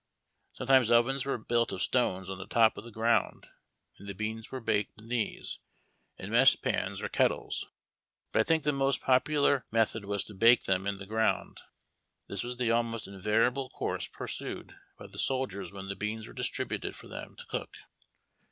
Sometimes ovens were built of stones, on the top of the ground, and the beans were baked in these, in mess pans or kettles. But I think the most popular method was to bake them in the ground. This was the almost invariable course pursued b}' the soldiers when the beans were distributed f(n' them to cook.